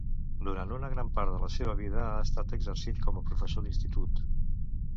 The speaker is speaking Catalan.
Durant una gran part de la seva vida ha estat exercint com a professor d'Institut.